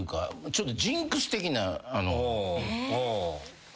ちょっとジンクス的な。